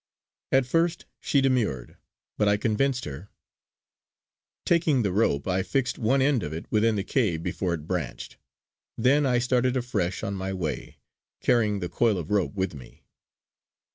At first she demurred, but I convinced her; taking the rope I fixed one end of it within the cave before it branched. Then I started afresh on my way, carrying the coil of rope with me.